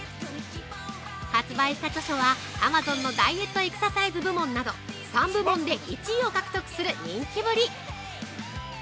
発売した図書はアマゾンのダイエットエクササイズ部門など３部門で１位を獲得する人気ぶり。